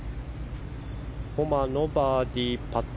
ホマのバーディーパット。